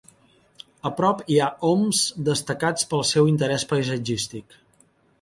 A prop hi ha oms destacats pel seu interès paisatgístic.